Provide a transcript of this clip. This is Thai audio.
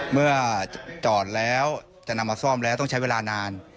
เมื่อจอดแล้วจะนำมาซ่อมแล้วต้องใช้เวลานาน